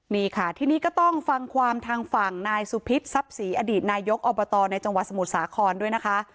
นี่ค่ะทีนี้ก็ต้องฟังความทางฝั่งนายสุพิษทรัพย์ศรีอดีตนายกอบตในจังหวัดสมุทรสาครด้วยนะคะ